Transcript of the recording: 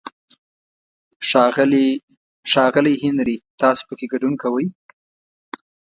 ښاغلی هنري، تاسو پکې ګډون کوئ؟